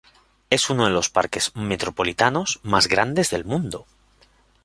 Es uno de los parques metropolitanos más grandes del mundo.